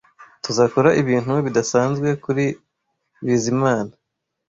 Tuzakora ibintu bidasanzwe kuri Bizimana .